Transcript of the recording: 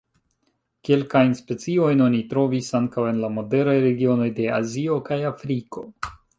Kelkajn speciojn oni trovis ankaŭ en la moderaj regionoj de Azio kaj Afriko.